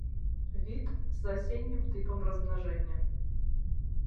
Від з асеннім тыпам размнажэння.